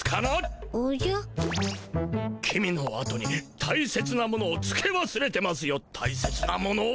公のあとにたいせつなものをつけわすれてますよたいせつなものを。